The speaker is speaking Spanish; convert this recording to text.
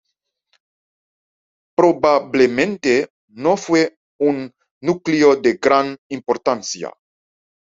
Probablemente no fue un núcleo de gran importancia.